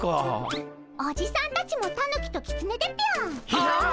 おじさんたちもタヌキとキツネでぴょん。